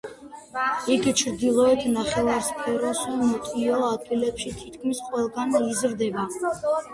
იგი ჩრდილოეთ ნახევარსფეროს ნოტიო ადგილებში თითქმის ყველგან იზრდება.